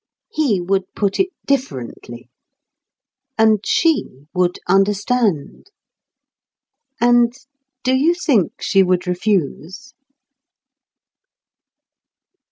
He would put it differently. And she would understand. And do you think she would refuse?